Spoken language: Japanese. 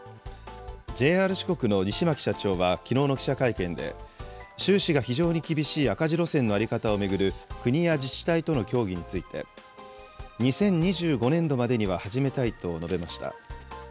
ＪＲ四国の西牧社長はきのうの記者会見で、収支が非常に厳しい赤字路線の在り方を巡る国や自治体との協議について、２０２５年度までには始めたいと述べました。